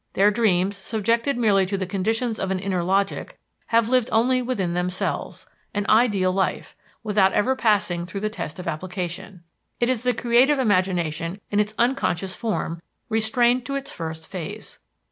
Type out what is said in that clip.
Their dreams, subjected merely to the conditions of an inner logic, have lived only within themselves, an ideal life, without ever passing through the test of application. It is the creative imagination in its unconscious form, restrained to its first phase.